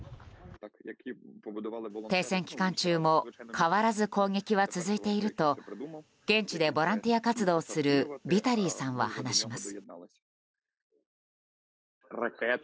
停戦期間中も変わらず攻撃は続いていると現地でボランティア活動をするビタリーさんは話します。